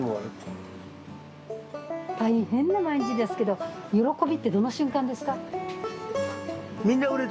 大変な毎日ですけど喜びってどの瞬間ですか？